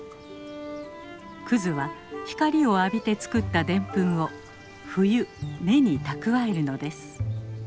クズは光を浴びて作ったデンプンを冬根に蓄えるのです。